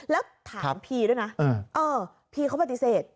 แล้วถามพี่ด้วยนะเออพี่เขาปฏิเสธ